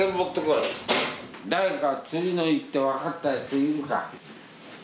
誰か次の一手分かったやついるか？